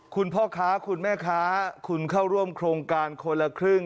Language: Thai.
คุณพ่อค้าคุณแม่ค้าคุณเข้าร่วมโครงการคนละครึ่ง